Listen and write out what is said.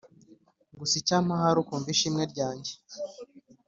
gusa icyampa ahari ukumva ishimwe ryange."